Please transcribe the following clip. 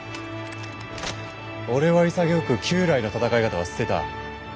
俺は潔く旧来の戦い方は捨てた。